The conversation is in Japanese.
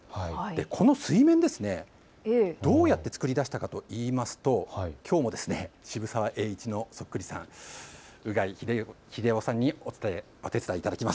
この水面、どうやって作り出したのかといいますときょうも渋沢栄一のそっくりさん、鵜養秀男さんにお手伝いいただきます。